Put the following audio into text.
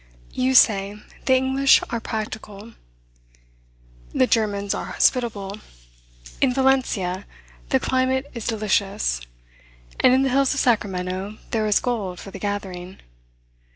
You say, the English are practical; the Germans are hospitable; in Valencia, the climate is delicious; and in the hills of Sacramento there is gold for the gathering.